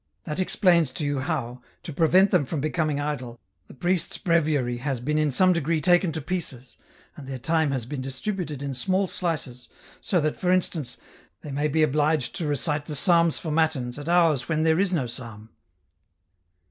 That explains to you how, to prevent them from becoming idle, the priests' breviary has been in some degree taken to pieces, and their time has M 1 62 EN ROUTE. been distributed in small slices, so that, for instance, they may be obliged to recite the psalms for Matins at hours when there is no psalm."